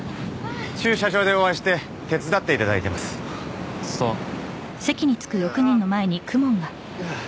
駐車場でお会いして手伝っていただいてますそうああー